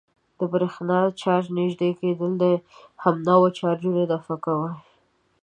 د برېښنايي چارج نژدې کېدل همنوع چارجونه دفع کوي.